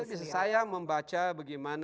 itu bisa saya membaca